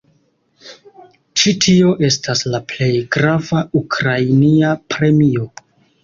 Ĉi tio estas la plej grava ukrainia premio.